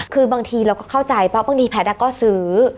คือบางทีเราก็เข้าใจเพราะบางทีแพทย์ก็ซื้อ